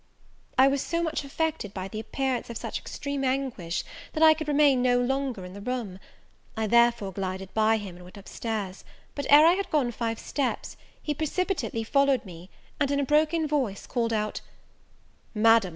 I was so much affected by the appearance of such extreme anguish, that I could remain no longer in the room: I therefore glided by him and went up stairs; but, ere I had gone five steps, he precipitately followed me, and, in a broken voice, called out "Madam!